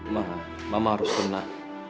mama mama harus tenang